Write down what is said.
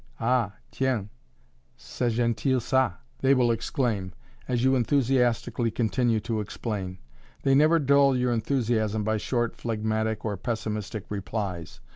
"ah! tiens! c'est gentil ça!" they will exclaim, as you enthusiastically continue to explain. They never dull your enthusiasm by short phlegmatic or pessimistic replies.